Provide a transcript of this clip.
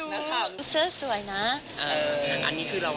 น่าจะเป็นเสื้อโต๊ะป่นเขาได้หรือเปล่า